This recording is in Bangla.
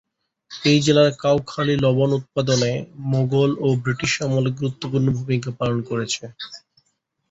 এই জেলার কাউখালী লবণ উৎপাদনে মোঘল ও ব্রিটিশ আমলে গুরুত্বপূর্ণ ভূমিকা পালন করেছে।